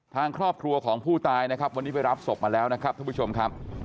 ทางครอบครัวของผู้ตายนะครับวันนี้ไปรับศพมาแล้วนะครับท่านผู้ชมครับ